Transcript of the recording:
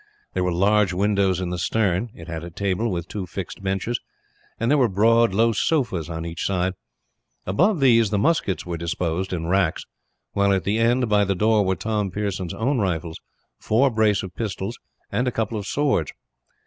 There were large windows in the stern; it had a table, with two fixed benches; and there were broad, low sofas on each side. Above these the muskets were disposed, in racks; while at the end by the door were Tom Pearson's own rifles, four brace of pistols, and a couple of swords.